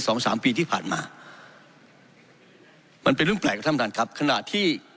สองสามปีที่ผ่านมามันเป็นเรื่องแปลกท่านประธานครับขณะที่